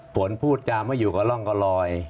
ฝนพูดจาไม่อยู่กับร่องกับรอย